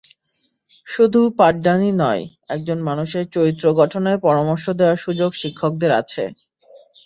শুধু পাঠদানই নয়, একজন মানুষের চরিত্র গঠনে পরামর্শ দেওয়ার সুযোগ শিক্ষকদের আছে।